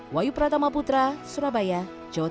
wayu pratama putra surabaya jawa tenggara